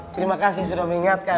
terima kasih sudah mengingatkan